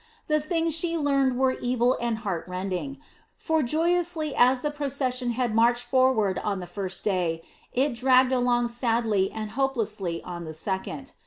The things she learned were evil and heart rending; for joyously as the procession had marched forward on the first day, it dragged along sadly and hopelessly on the second.